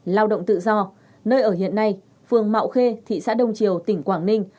lao động tự do nơi ở hiện nay phường mạo khê thị xã đông triều tỉnh quảng ninh